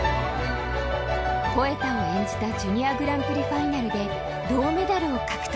「ポエタ」を演じたジュニアグランプリファイナルで銅メダルを獲得。